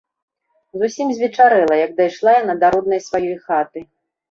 Зусім звечарэла, як дайшла яна да роднай сваёй хаты.